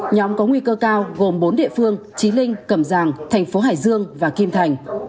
nhóm có nguy cơ cao gồm bốn địa phương trí linh cầm giàng thành phố hải dương và kim thành